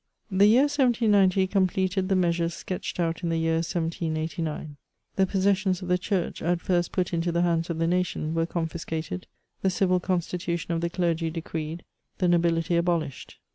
The year 1790 completed the measures sketched out in the year 1789 ; the possessions of the church, at first put into the nands of the nation, were confiscated, the civil constitution of the clergy decreed, the nobility abolished.